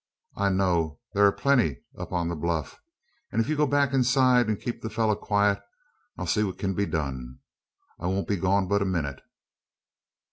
I know there air plenty o' it up on the bluff; an ef you'll go back inside, an keep the fellur quiet, I'll see what kin be done. I won't be gone but a minute."